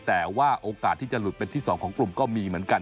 แต่ว่าโอกาสที่จะหลุดเป็นที่๒ของกลุ่มก็มีเหมือนกัน